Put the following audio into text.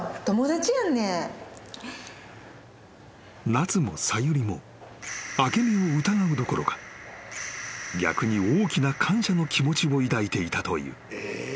［奈津もさゆりも明美を疑うどころか逆に大きな感謝の気持ちを抱いていたという］